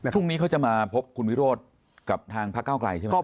พรุ่งนี้เขาจะมาพบคุณวิโรธกับทางพระเก้าไกลใช่ไหม